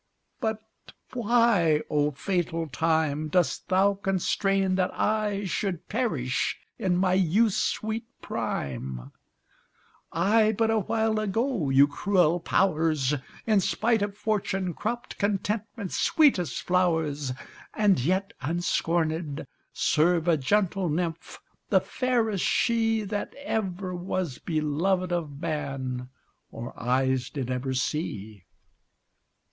But why, O fatal time, Dost thou constrain that I Should perish in my youth's sweet prime? I, but awhile ago, (you cruel powers!) In spite of fortune, cropped contentment's sweetest flowers, And yet unscornèd, serve a gentle nymph, the fairest she, That ever was beloved of man, or eyes did ever see!